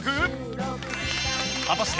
果たして